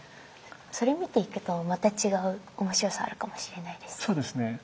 それ見ていくとまた違う面白さあるかもしれないですね。